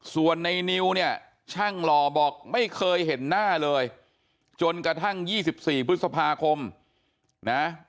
ส่วนในนิวเนี่ยช่างหล่อบอกไม่เคยเห็นหน้าเลยจนกระทั่ง๒๔พฤษภาคมนะ